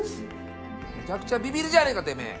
めちゃくちゃビビりじゃねぇかてめぇ！